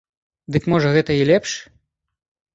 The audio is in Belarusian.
Дык можа гэта і лепш.